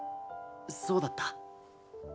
そうだった。